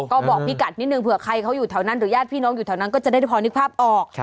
ก็บอกพี่กัดนิดนึงเผื่อใครเขาอยู่แถวนั้นหรือญาติพี่น้องอยู่แถวนั้นก็จะได้พอนึกภาพออก